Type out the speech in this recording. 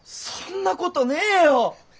そんな事ねえよ！